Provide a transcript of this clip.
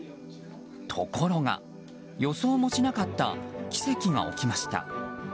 ところが、予想もしなかった奇跡が起きました。